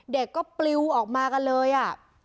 เด็กก็ปลิวออกมากันเลยอ่ะ